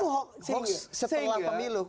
hoax setelah pemilu